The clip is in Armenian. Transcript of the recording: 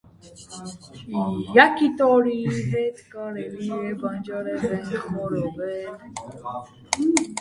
Յակիտորիի հետ կարելի է բանջարեղեն խորովել։